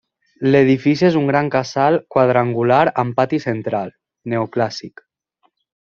L'edifici és un gran casal quadrangular amb pati central, neoclàssic.